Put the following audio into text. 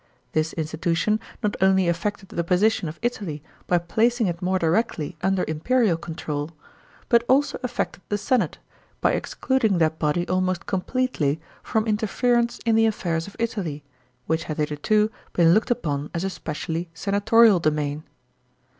This institution not only affected the position of Italy by placing it more directly under imperial control, but also affected the senate, by excluding that body almost completely from interference in the affairs of Italy, which had hitherto been looked upon as a specially senatorial domain.